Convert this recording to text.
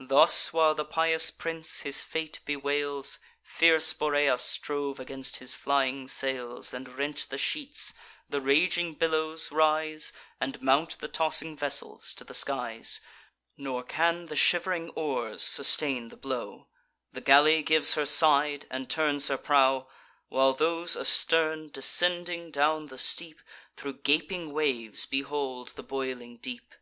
Thus while the pious prince his fate bewails, Fierce Boreas drove against his flying sails, And rent the sheets; the raging billows rise, And mount the tossing vessels to the skies: Nor can the shiv'ring oars sustain the blow; The galley gives her side, and turns her prow; While those astern, descending down the steep, Thro' gaping waves behold the boiling deep.